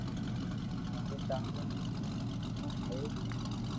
آپري ٽاٻرو ني جوگھڻو ھآرون ھويو